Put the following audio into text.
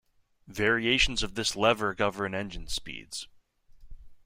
Variations of this lever govern engine speeds.